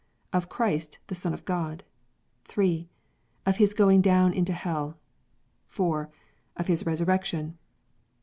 Of Christ the Son of God. 3. Of His going down into Hell. 4. Of His resurrection.